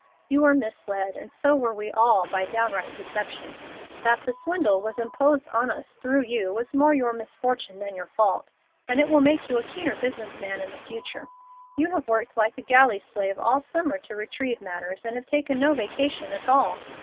You were misled, and so were we all, by downright deception. That the swindle was imposed on us through you was more your misfortune than your fault, and it will make you a keener business man in the future. You have worked like a galley slave all summer to retrieve matters, and have taken no vacation at all.